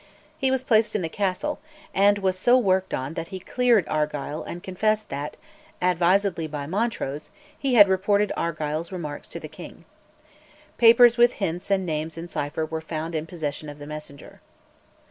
He was placed in the castle, and was so worked on that he "cleared" Argyll and confessed that, advised by Montrose, he had reported Argyll's remarks to the king. Papers with hints and names in cypher were found in possession of the messenger.